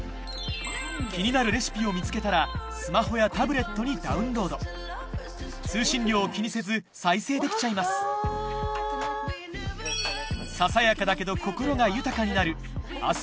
気になるレシピを見つけたらスマホやタブレットにダウンロード通信料を気にせず再生できちゃいますささやかだけど心が豊かになる明日